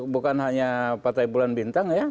bukan hanya partai bulan bintang ya